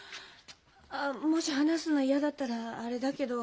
もし話すの嫌だったらあれだけど。